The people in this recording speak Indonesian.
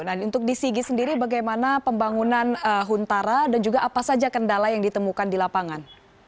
nah untuk di sigi sendiri bagaimana pembangunan huntara dan juga apa saja kendala yang ditemukan di lapangan